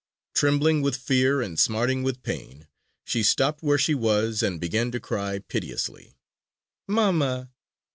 Trembling with fear and smarting with pain, she stopped where she was and began to cry piteously: "Mamma!...